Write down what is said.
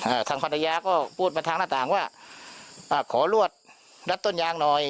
อ่าทางภรรยาก็พูดมาทางหน้าต่างว่าอ่าขอรวดรัดต้นยางหน่อย